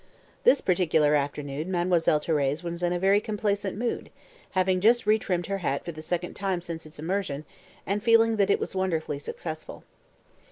This particular afternoon Mademoiselle Thérèse was in a very complacent mood, having just retrimmed her hat for the second time since its immersion, and feeling that it was wonderfully successful.